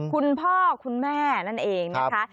คุณพ่อคุณแม่นั่นเองนะคะ